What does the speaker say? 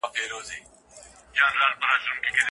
خداى دي زما د ژوندون ساز جوړ كه